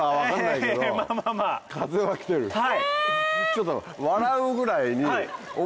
ちょっと笑うぐらいに。